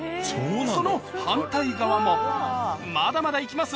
その反対側もまだまだ行きます